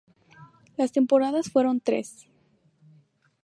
Las temporadas fueron tres.